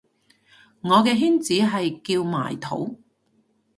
我嘅圈子係叫埋土